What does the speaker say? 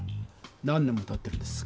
何年もたってるんです。